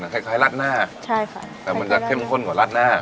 คล้ายรัดหน้าใช่ค่ะแต่มันจะเข้มข้นกว่ารัดหน้า